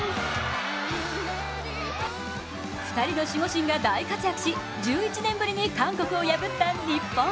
２人の守護神が大活躍し１１年ぶりに韓国を破った日本。